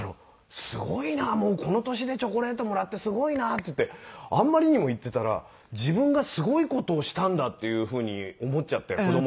「この年でチョコレートもらってすごいな」っていってあんまりにも言ってたら自分がすごい事をしたんだっていうふうに思っちゃって子供が。